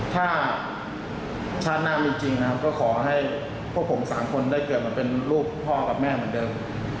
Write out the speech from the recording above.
ถ้าชาติหน้ามีจริงนะครับก็ขอให้พวกผม๓คนได้เกิดมาเป็นลูกพ่อกับแม่เหมือนเดิม